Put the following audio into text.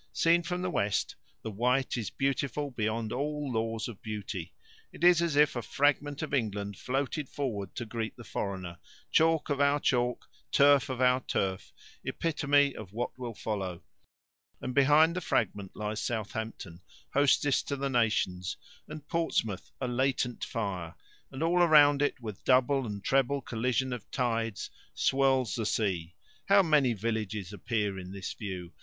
Seen from the west, the Wight is beautiful beyond all laws of beauty. It is as if a fragment of England floated forward to greet the foreigner chalk of our chalk, turf of our turf, epitome of what will follow. And behind the fragment lies Southampton, hostess to the nations, and Portsmouth, a latent fire, and all around it, with double and treble collision of tides, swirls the sea. How many villages appear in this view!